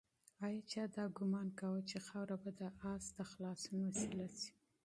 آیا چا تصور کاوه چې خاوره به د آس د خلاصون وسیله شي؟